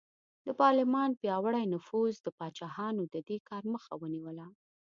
د پارلمان پیاوړي نفوذ د پاچاهانو د دې کار مخه ونیوله.